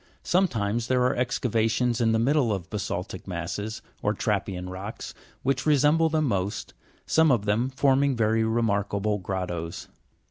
Sometimes there are excavations in the middle of ba sa'ltic masses, or trappean rocks, which resemble them most, some of them forming very remarkable grottoes.